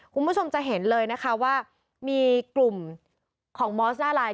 คุณผู้ชมจะเห็นเลยนะคะว่ามีกลุ่มของมอสหน้าไลน์